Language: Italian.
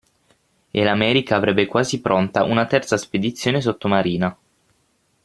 E l'America avrebbe quasi pronta una terza spedizione sottomarina.